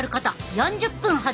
４０分ほど。